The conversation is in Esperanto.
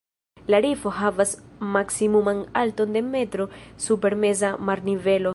La rifo havas maksimuman alton de metro super meza marnivelo.